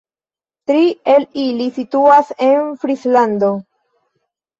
Tri el ili situas en Frislando.